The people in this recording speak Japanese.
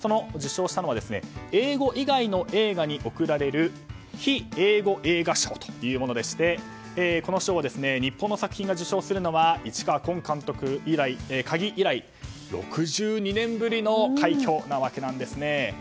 受賞したのは英語以外の映画に贈られる非英語映画賞というものでしてこの賞は、日本の作品が受賞するのは市川崑監督の「鍵」以来６２年ぶりの快挙なわけなんです。